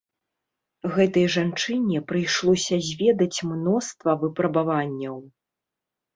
Гэтай жанчыне прыйшлося зведаць мноства выпрабаванняў.